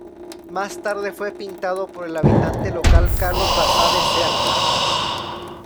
Más tarde fue pintado por el habitante local Carlos Basabe Cerdá.